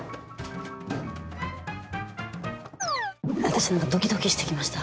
私何かドキドキして来ました。